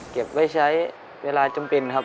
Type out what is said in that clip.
เก็บไว้ใช้เวลาจำเป็นครับ